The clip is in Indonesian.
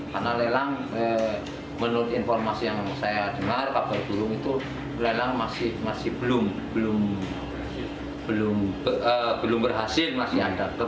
karena lelang menurut informasi yang saya dengar kabar burung itu lelang masih belum berhasil masih ada